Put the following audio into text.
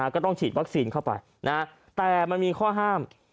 ก็ต้องฉีดวัคซีนเข้าไปแต่มันมีข้อห้าม